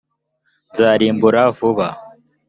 nzaririmbura vuba.